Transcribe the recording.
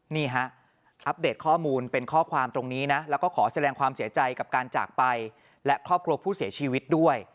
นี่ฮะอัปเดตข้อมูลเป็นข้อความตรงนี้นะแล้วก็ขอแสดงความเสียใจกับการจากไปและครอบครัวผู้เสียชีวิตด้วย